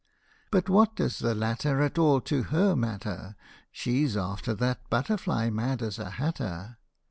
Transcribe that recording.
But what does the latter at all to her matter : She's after that butterfly, mad as a hatter.